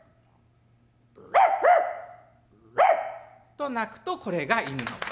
と鳴くとこれが犬の声。